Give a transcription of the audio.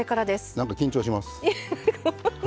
なんか緊張します。